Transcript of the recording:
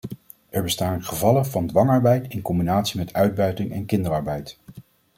Er bestaan gevallen van dwangarbeid, in combinatie met uitbuiting en kinderarbeid.